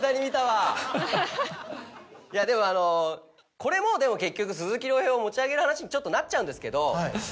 でもあのこれもでも結局鈴木亮平を持ち上げる話にちょっとなっちゃうんですけど。